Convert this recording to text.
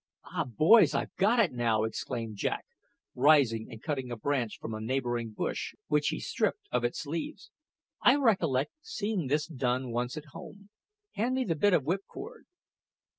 "Ah, boys, I've got it now!" exclaimed Jack, rising and cutting a branch from a neighbouring bush, which he stripped of its leaves. "I recollect seeing this done once at home. Hand me the bit of whip cord."